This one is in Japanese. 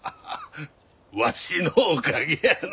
ワシのおかげやな。